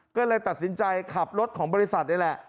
ก็เลยตัดสินใจขับรถของบริษัทนี่แหละ